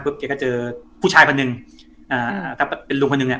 แกก็เจอผู้ชายคนหนึ่งอ่าก็เป็นลุงคนหนึ่งเนี่ย